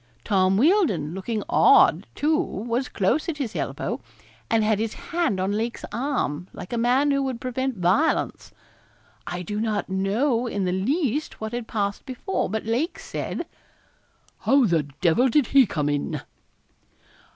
Tom Wealdon looking odd, too, was close at his elbow, and had his hand on Lake's arm, like a man who would prevent violence. I do not know in the least what had passed before, but Lake said 'How the devil did he come in?'